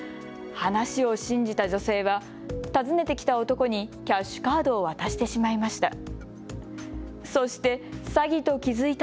話を信じた女性は訪ねてきた男にキャッシュカードを渡してしまいました。